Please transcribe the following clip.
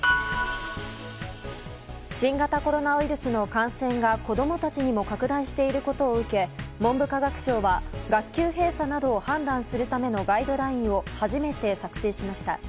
新型コロナウイルスの感染が子供たちにも拡大していることを受け文部科学省は学級閉鎖などを判断するためのガイドラインを初めて作成しました。